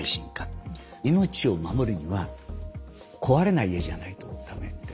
命を守るには壊れない家じゃないと駄目ですね。